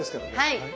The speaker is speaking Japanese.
はい。